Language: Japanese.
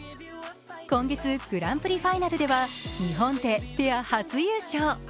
今月、グランプリファイナルでは日本勢ペア初優勝。